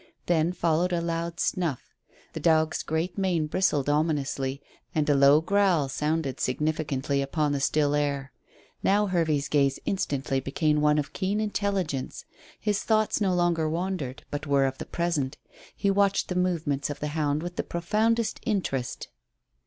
Then followed a loud snuff. The dog's great mane bristled ominously, and a low growl sounded significantly upon the still air. Now Hervey's gaze instantly became one of keen intelligence. His thoughts no longer wandered, but were of the present. He watched the movements of the hound with the profoundest interest.